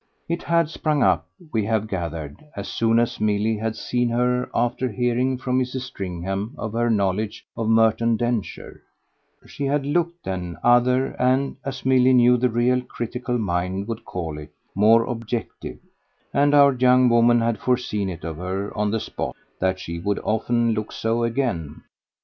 It had sprung up, we have gathered, as soon as Milly had seen her after hearing from Mrs. Stringham of her knowledge of Merton Densher; she had LOOKED then other and, as Milly knew the real critical mind would call it, more objective; and our young woman had foreseen it of her on the spot that she would often look so again.